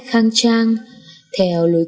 khang trang theo lối